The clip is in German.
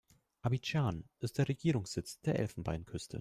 Abidjan ist der Regierungssitz der Elfenbeinküste.